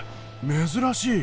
珍しい。